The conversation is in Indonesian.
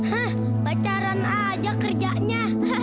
hah pacaran aja kerjanya